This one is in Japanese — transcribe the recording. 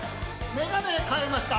メガネ変えました。